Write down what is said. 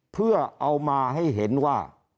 เพื่อเอามาให้เห็นว่า